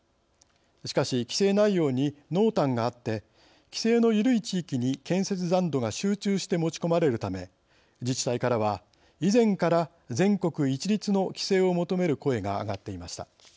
しかし規制内容に濃淡があって規制の緩い地域に建設残土が集中して持ち込まれるため自治体からは以前から全国一律の規制を求める声が上がっていました。